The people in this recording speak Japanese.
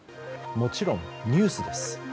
もちろん、ニュースです。